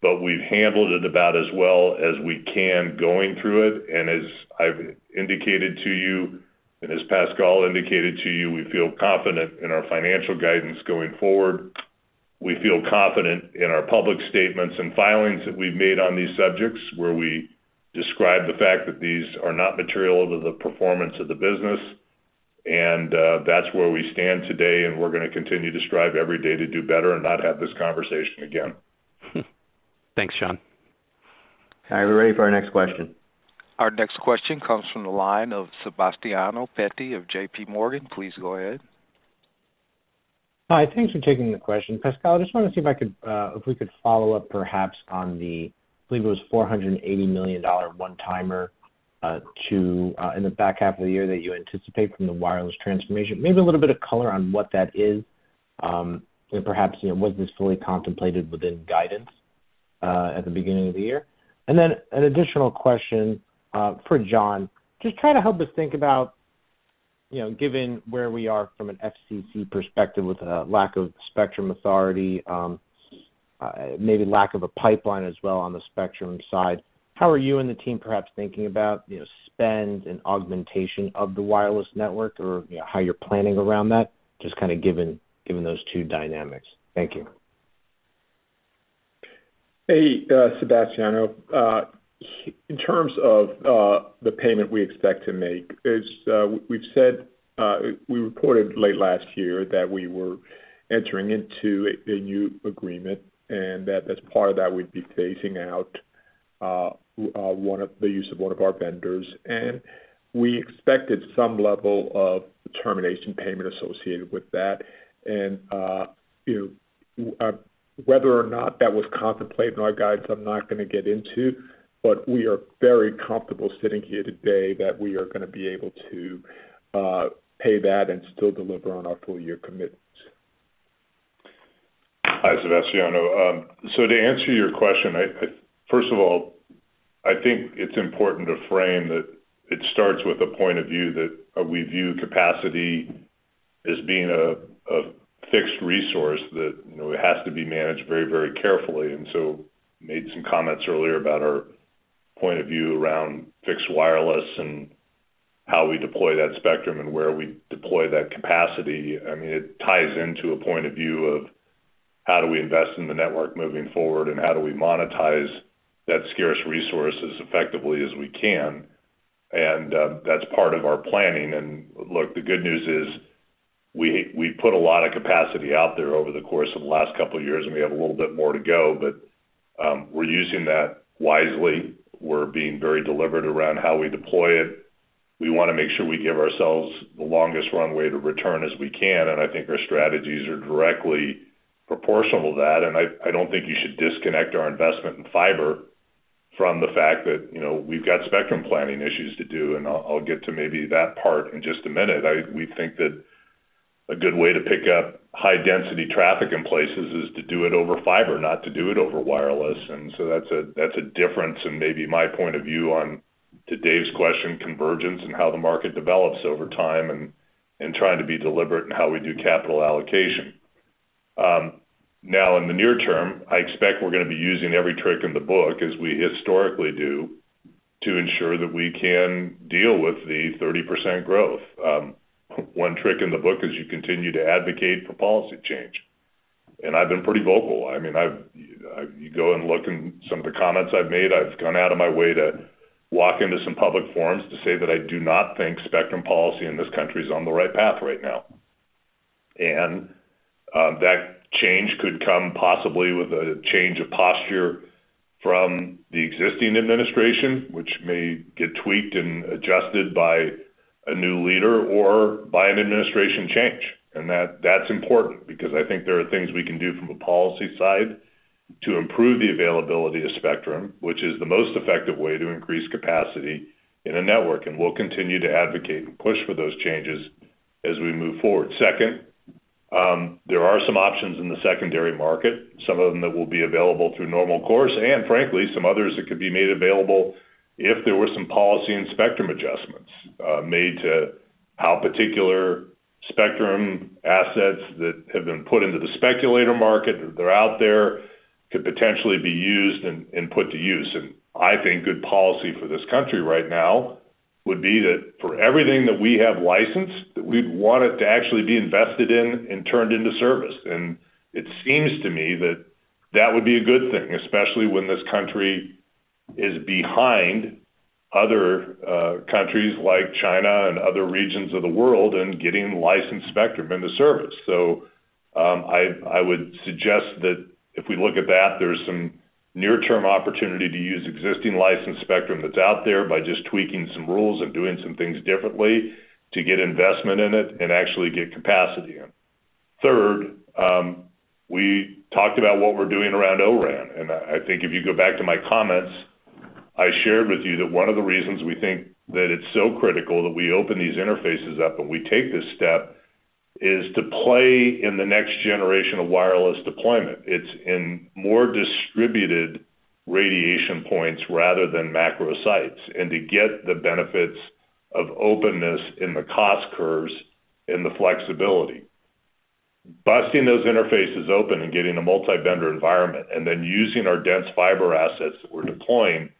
but we've handled it about as well as we can going through it. And as I've indicated to you, and as Pascal indicated to you, we feel confident in our financial guidance going forward. We feel confident in our public statements and filings that we've made on these subjects, where we describe the fact that these are not material to the performance of the business. That's where we stand today, and we're gonna continue to strive every day to do better and not have this conversation again. Thanks, John. All right, we're ready for our next question. Our next question comes from the line of Sebastiano Petti of JPMorgan. Please go ahead. Hi, thanks for taking the question. Pascal, I just wanna see if I could, if we could follow up, perhaps, on the, I believe, it was $480 million one-timer, to, in the back half of the year that you anticipate from the wireless transformation. Maybe a little bit of color on what that is, and perhaps, you know, was this fully contemplated within guidance, at the beginning of the year? And then an additional question, for John: Just try to help us think about, you know, given where we are from an FCC perspective with a lack of spectrum authority, maybe lack of a pipeline as well on the spectrum side, how are you and the team perhaps thinking about, you know, spend and augmentation of the wireless network or, you know, how you're planning around that? Just kinda given those two dynamics. Thank you. Hey, Sebastiano, in terms of the payment we expect to make, as we've said, we reported late last year that we were entering into a new agreement, and that as part of that, we'd be phasing out the use of one of our vendors. And whether or not that was contemplated in our guides, I'm not gonna get into, but we are very comfortable sitting here today that we are gonna be able to pay that and still deliver on our full-year commitments. Hi, Sebastiano. So to answer your question, first of all, I think it's important to frame that it starts with a point of view that we view capacity as being a fixed resource that, you know, it has to be managed very, very carefully. And so made some comments earlier about our point of view around fixed wireless and how we deploy that spectrum and where we deploy that capacity. I mean, it ties into a point of view of how do we invest in the network moving forward, and how do we monetize that scarce resource as effectively as we can? And that's part of our planning. Look, the good news is, we put a lot of capacity out there over the course of the last couple of years, and we have a little bit more to go, but we're using that wisely. We're being very deliberate around how we deploy it.... we wanna make sure we give ourselves the longest runway to return as we can, and I think our strategies are directly proportional to that. And I, I don't think you should disconnect our investment in fiber from the fact that, you know, we've got spectrum planning issues to do, and I'll, I'll get to maybe that part in just a minute. I. We think that a good way to pick up high-density traffic in places is to do it over fiber, not to do it over wireless. And so that's a, that's a difference in maybe my point of view on, to Dave's question, convergence and how the market develops over time, and, and trying to be deliberate in how we do capital allocation. Now, in the near term, I expect we're gonna be using every trick in the book, as we historically do, to ensure that we can deal with the 30% growth. One trick in the book is you continue to advocate for policy change, and I've been pretty vocal. I mean, you go and look in some of the comments I've made, I've gone out of my way to walk into some public forums to say that I do not think spectrum policy in this country is on the right path right now. And, that change could come possibly with a change of posture from the existing administration, which may get tweaked and adjusted by a new leader or by an administration change. And that's important because I think there are things we can do from a policy side to improve the availability of spectrum, which is the most effective way to increase capacity in a network. And we'll continue to advocate and push for those changes as we move forward. Second, there are some options in the secondary market, some of them that will be available through normal course, and frankly, some others that could be made available if there were some policy and spectrum adjustments made to how particular spectrum assets that have been put into the speculative market, they're out there, could potentially be used and put to use. And I think good policy for this country right now would be that for everything that we have licensed, that we'd want it to actually be invested in and turned into service. It seems to me that that would be a good thing, especially when this country is behind other countries like China and other regions of the world in getting licensed spectrum into service. So, I would suggest that if we look at that, there's some near-term opportunity to use existing licensed spectrum that's out there by just tweaking some rules and doing some things differently to get investment in it and actually get capacity in. Third, we talked about what we're doing around O-RAN, and I think if you go back to my comments, I shared with you that one of the reasons we think that it's so critical that we open these interfaces up and we take this step is to play in the next generation of wireless deployment. It's in more distributed radiation points rather than macro sites, and to get the benefits of openness in the cost curves and the flexibility. Busting those interfaces open and getting a multi-vendor environment, and then using our dense fiber assets that we're deploying,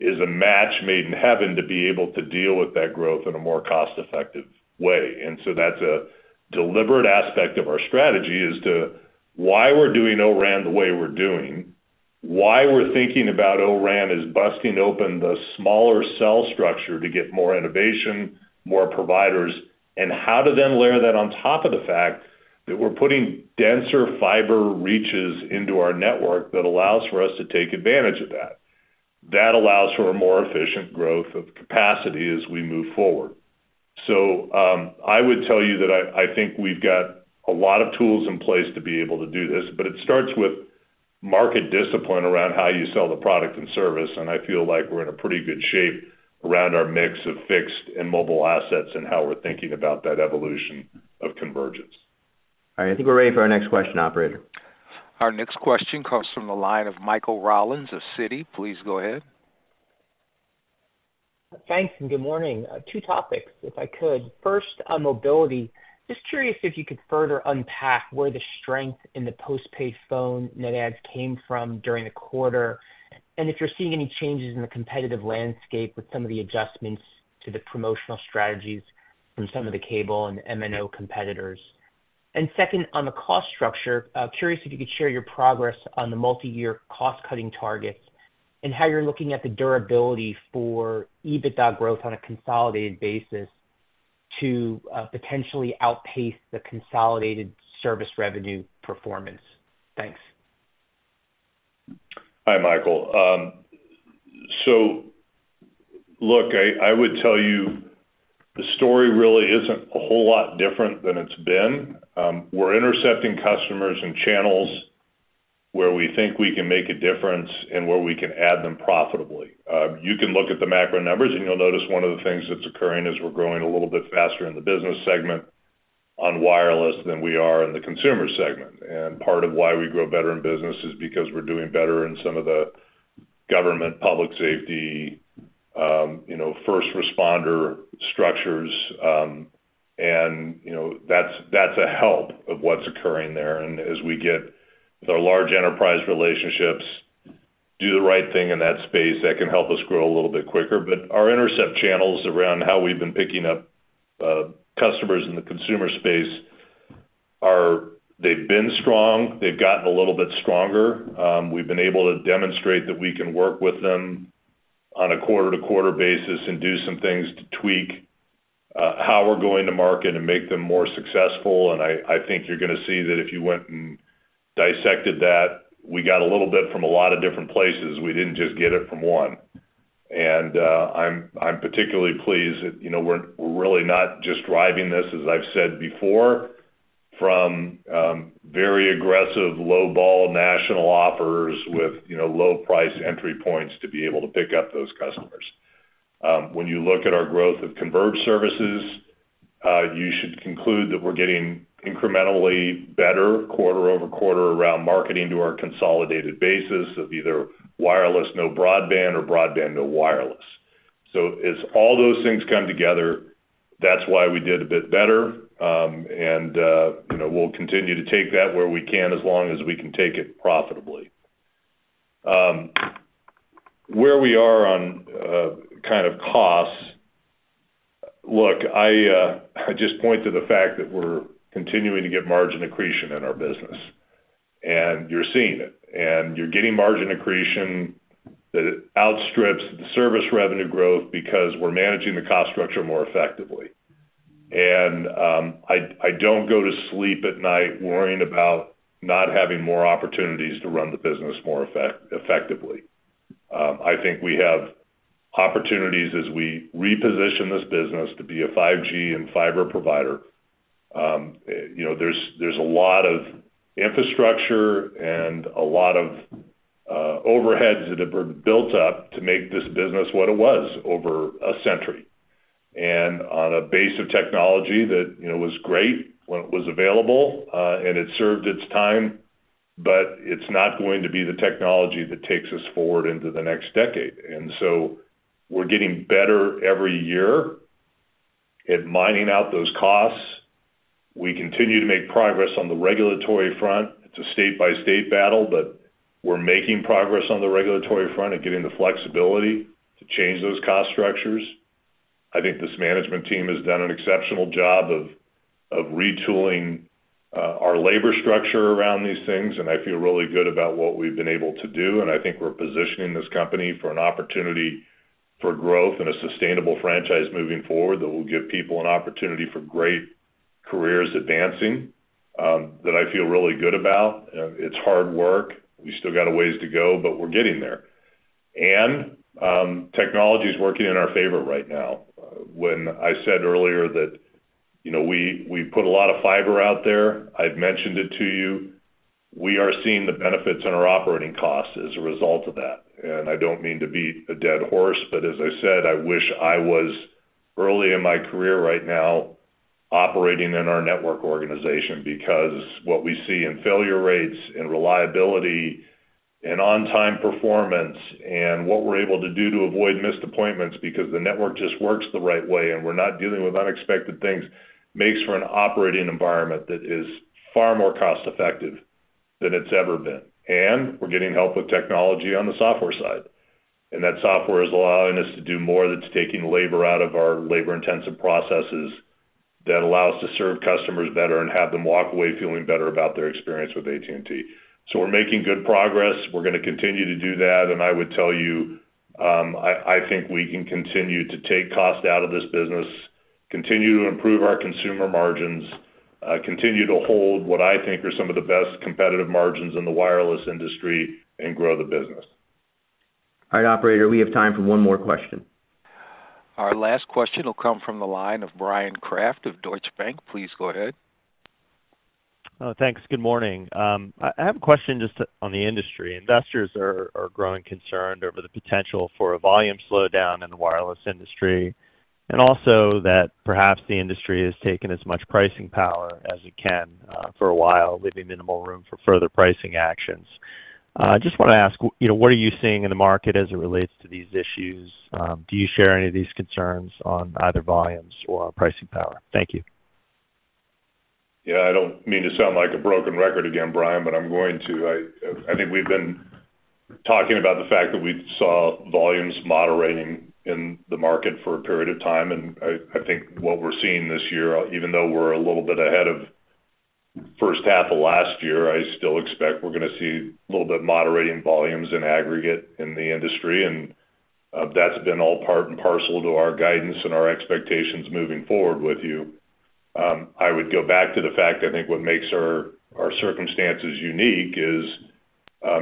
is a match made in heaven to be able to deal with that growth in a more cost-effective way. And so that's a deliberate aspect of our strategy, is to why we're doing O-RAN the way we're doing, why we're thinking about O-RAN as busting open the smaller cell structure to get more innovation, more providers, and how to then layer that on top of the fact that we're putting denser fiber reaches into our network that allows for us to take advantage of that. That allows for a more efficient growth of capacity as we move forward. So, I would tell you that I think we've got a lot of tools in place to be able to do this, but it starts with market discipline around how you sell the product and service, and I feel like we're in a pretty good shape around our mix of fixed and mobile assets and how we're thinking about that evolution of convergence. All right. I think we're ready for our next question, operator. Our next question comes from the line of Michael Rollins of Citi. Please go ahead. Thanks, and good morning. Two topics, if I could. First, on mobility, just curious if you could further unpack where the strength in the postpaid phone net adds came from during the quarter, and if you're seeing any changes in the competitive landscape with some of the adjustments to the promotional strategies from some of the cable and MNO competitors. And second, on the cost structure, curious if you could share your progress on the multiyear cost-cutting targets, and how you're looking at the durability for EBITDA growth on a consolidated basis to potentially outpace the consolidated service revenue performance. Thanks. Hi, Michael. So look, I would tell you the story really isn't a whole lot different than it's been. We're intercepting customers and channels where we think we can make a difference and where we can add them profitably. You can look at the macro numbers, and you'll notice one of the things that's occurring is we're growing a little bit faster in the business segment on wireless than we are in the consumer segment. And part of why we grow better in business is because we're doing better in some of the government, public safety, you know, first responder structures. And, you know, that's a help of what's occurring there. And as we get our large enterprise relationships, do the right thing in that space, that can help us grow a little bit quicker. But our intercept channels around how we've been picking up, customers in the consumer space are, they've been strong, they've gotten a little bit stronger. We've been able to demonstrate that we can work with them on a quarter-to-quarter basis and do some things to tweak... how we're going to market and make them more successful. And I think you're going to see that if you went and dissected that, we got a little bit from a lot of different places. We didn't just get it from one. And, I'm particularly pleased that, you know, we're really not just driving this, as I've said before, from, very aggressive, low vol national offers with, you know, low price entry points to be able to pick up those customers. When you look at our growth of converged services, you should conclude that we're getting incrementally better quarter-over-quarter around marketing to our consolidated basis of either wireless, no broadband, or broadband, no wireless. So as all those things come together, that's why we did a bit better. And you know, we'll continue to take that where we can, as long as we can take it profitably. Where we are on kind of costs, look, I just point to the fact that we're continuing to get margin accretion in our business, and you're seeing it. And you're getting margin accretion that outstrips the service revenue growth because we're managing the cost structure more effectively. And I don't go to sleep at night worrying about not having more opportunities to run the business more effectively. I think we have opportunities as we reposition this business to be a 5G and fiber provider. You know, there's a lot of infrastructure and a lot of overheads that have been built up to make this business what it was over a century. And on a base of technology that, you know, was great when it was available, and it served its time, but it's not going to be the technology that takes us forward into the next decade. And so we're getting better every year at mining out those costs. We continue to make progress on the regulatory front. It's a state-by-state battle, but we're making progress on the regulatory front and getting the flexibility to change those cost structures. I think this management team has done an exceptional job of retooling our labor structure around these things, and I feel really good about what we've been able to do. And I think we're positioning this company for an opportunity for growth and a sustainable franchise moving forward that will give people an opportunity for great careers advancing that I feel really good about. And it's hard work. We still got a ways to go, but we're getting there. And technology is working in our favor right now. When I said earlier that, you know, we put a lot of fiber out there, I've mentioned it to you, we are seeing the benefits in our operating costs as a result of that. And I don't mean to beat a dead horse, but as I said, I wish I was early in my career right now, operating in our network organization. Because what we see in failure rates and reliability and on-time performance and what we're able to do to avoid missed appointments because the network just works the right way and we're not dealing with unexpected things, makes for an operating environment that is far more cost-effective than it's ever been. And we're getting help with technology on the software side. And that software is allowing us to do more, that's taking labor out of our labor-intensive processes that allow us to serve customers better and have them walk away feeling better about their experience with AT&T. So we're making good progress. We're going to continue to do that. I would tell you, I think we can continue to take cost out of this business, continue to improve our consumer margins, continue to hold what I think are some of the best competitive margins in the wireless industry, and grow the business. All right, operator, we have time for one more question. Our last question will come from the line of Bryan Kraft of Deutsche Bank. Please go ahead. Thanks. Good morning. I have a question just on the industry. Investors are growing concerned over the potential for a volume slowdown in the wireless industry, and also that perhaps the industry has taken as much pricing power as it can for a while, leaving minimal room for further pricing actions. Just want to ask, you know, what are you seeing in the market as it relates to these issues? Do you share any of these concerns on either volumes or pricing power? Thank you. Yeah, I don't mean to sound like a broken record again, Bryan, but I'm going to. I think we've been talking about the fact that we saw volumes moderating in the market for a period of time. And I think what we're seeing this year, even though we're a little bit ahead of first half of last year, I still expect we're going to see a little bit moderating volumes in aggregate in the industry. And that's been all part and parcel to our guidance and our expectations moving forward with you. I would go back to the fact. I think what makes our circumstances unique is,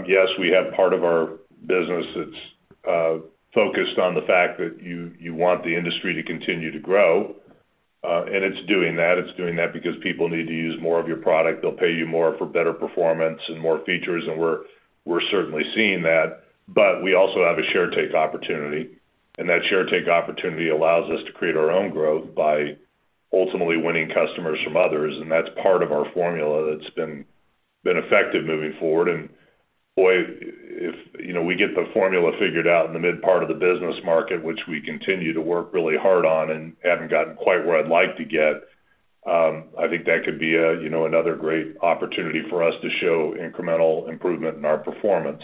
yes, we have part of our business that's focused on the fact that you want the industry to continue to grow. And it's doing that. It's doing that because people need to use more of your product. They'll pay you more for better performance and more features, and we're, we're certainly seeing that. But we also have a share take opportunity, and that share take opportunity allows us to create our own growth by ultimately winning customers from others, and that's part of our formula that's been, been effective moving forward. And boy, if, you know, we get the formula figured out in the mid part of the business market, which we continue to work really hard on and haven't gotten quite where I'd like to get, I think that could be a, you know, another great opportunity for us to show incremental improvement in our performance.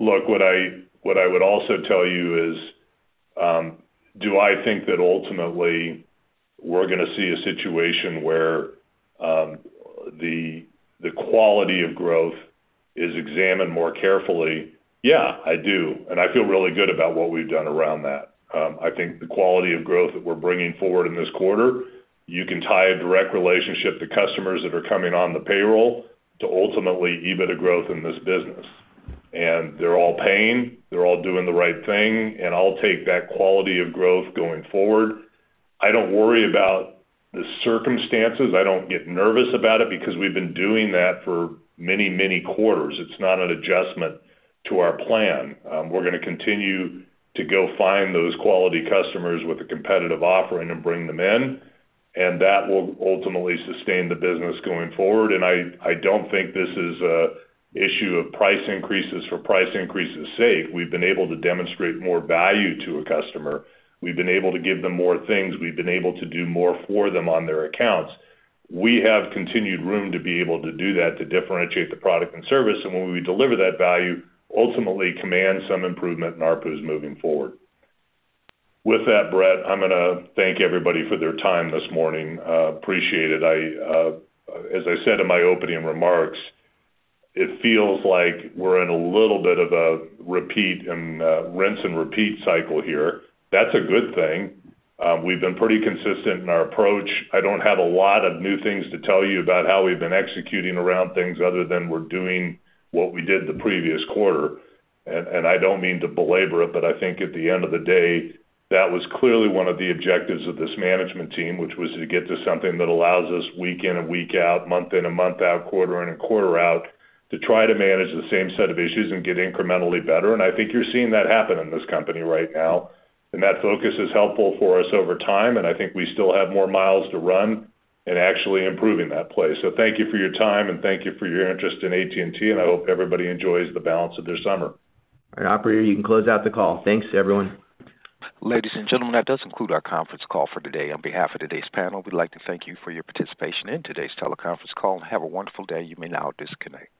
Look, what I, what I would also tell you is, do I think that ultimately-... We're going to see a situation where the quality of growth is examined more carefully? Yeah, I do, and I feel really good about what we've done around that. I think the quality of growth that we're bringing forward in this quarter, you can tie a direct relationship to customers that are coming on the payroll to ultimately EBITDA growth in this business. And they're all paying, they're all doing the right thing, and I'll take that quality of growth going forward. I don't worry about the circumstances. I don't get nervous about it because we've been doing that for many, many quarters. It's not an adjustment to our plan. We're going to continue to go find those quality customers with a competitive offering and bring them in, and that will ultimately sustain the business going forward. I don't think this is an issue of price increases for price increases sake. We've been able to demonstrate more value to a customer. We've been able to give them more things. We've been able to do more for them on their accounts. We have continued room to be able to do that, to differentiate the product and service, and when we deliver that value, ultimately command some improvement in ARPUs moving forward. With that, Brett, I'm going to thank everybody for their time this morning. Appreciate it. As I said in my opening remarks, it feels like we're in a little bit of a repeat and rinse and repeat cycle here. That's a good thing. We've been pretty consistent in our approach. I don't have a lot of new things to tell you about how we've been executing around things other than we're doing what we did the previous quarter. And, and I don't mean to belabor it, but I think at the end of the day, that was clearly one of the objectives of this management team, which was to get to something that allows us week in and week out, month in and month out, quarter in and quarter out, to try to manage the same set of issues and get incrementally better. And I think you're seeing that happen in this company right now, and that focus is helpful for us over time, and I think we still have more miles to run in actually improving that place. Thank you for your time, and thank you for your interest in AT&T, and I hope everybody enjoys the balance of their summer. All right, Operator, you can close out the call. Thanks, everyone. Ladies and gentlemen, that does conclude our conference call for today. On behalf of today's panel, we'd like to thank you for your participation in today's teleconference call. Have a wonderful day. You may now disconnect.